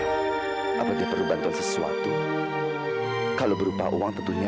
sampai jumpa di video selanjutnya